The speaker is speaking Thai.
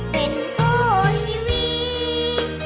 เป็นคู่ชีวิต